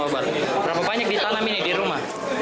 berapa banyak ditanam ini di rumah